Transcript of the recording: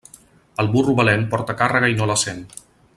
El burro valent porta càrrega i no la sent.